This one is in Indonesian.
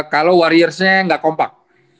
kalau warriors nya gak kompak